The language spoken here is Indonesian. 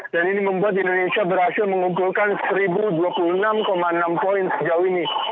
dan ini membuat indonesia berhasil mengumpulkan seribu dua puluh enam enam poin sejauh ini